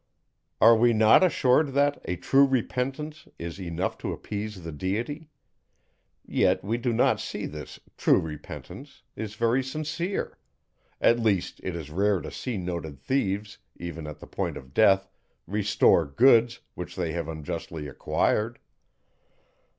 Are we not assured that a true repentance is enough to appease the Deity? Yet we do not see that this true repentance is very sincere; at least, it is rare to see noted thieves, even at the point of death, restore goods, which they have unjustly acquired.